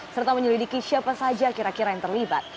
serta menyelidiki siapa saja kira kira yang terlibat